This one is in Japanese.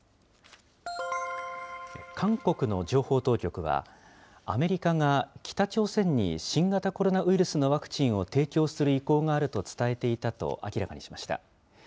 韓国の情報当局は、アメリカが北朝鮮に新型コロナウイルスのワクチンを提供する意向があると伝えていたと明らかにしました。